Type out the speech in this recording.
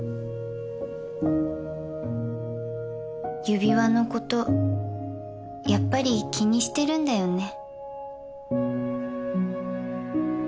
指輪のことやっぱり気にしてるんだよね